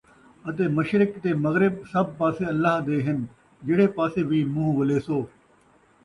اَتے مشرق تے مغرب سب پاسے اللہ دے ہِن جِہڑے پاسے وِی مُنہ وَلیسو،